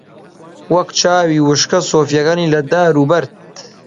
وەک چاوی وشکە سۆفییەکانی لە دار و بەرد